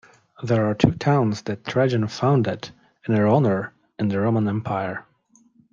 There are two towns that Trajan founded in her honor in the Roman Empire.